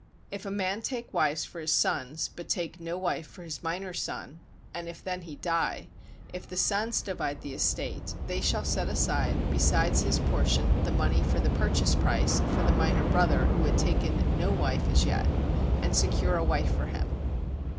If a man take wives for his sons, but take no wife for his minor son, and if then he die: if the sons divide the estate, they shall set aside besides his portion the money for the "purchase price" for the minor brother who had taken no wife as yet, and secure a wife for him.